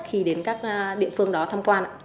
khi đến các địa phương đó tham quan ạ